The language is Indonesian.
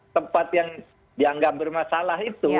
tempat yang dianggap bermasalah itu